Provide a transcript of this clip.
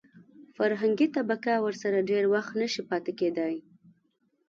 فرهنګي طبقه ورسره ډېر وخت نشي پاتې کېدای.